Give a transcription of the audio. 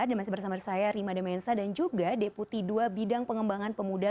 dan masih bersama saya rima demensa dan juga deputi ii bidang pengembangan pemuda